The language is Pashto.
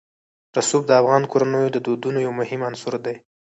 رسوب د افغان کورنیو د دودونو یو مهم عنصر دی.